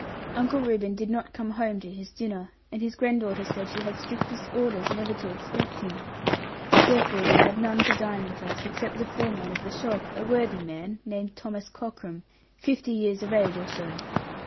Uncle Reuben did not come home to his dinner; and his granddaughter said she had strictest orders never to expect him. Therefore we had none to dine with us, except the foreman of the shop, a worthy man, named Thomas Cockram, fifty years of age or so.